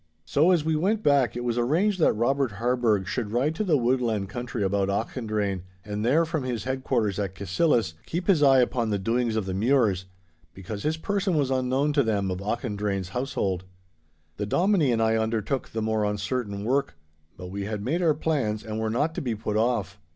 So as we went back it was arranged that Robert Harburgh should ride to the woodland country about Auchendrayne, and there, from his headquarters at Cassillis, keep his eye upon the doings of the Mures, because his person was unknown to them of Auchendrayne's household. The Dominie and I undertook the more uncertain work, but we had made our plans and were not to be put off.